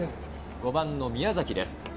５番の宮崎です。